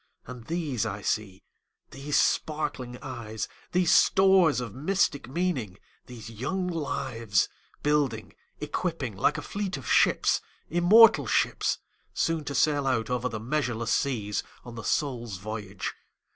And these I see, these sparkling eyes, These stores of mystic meaning, these young lives, Building, equipping like a fleet of ships, immortal ships, Soon to sail out over the measureless seas, On the soul's voyage.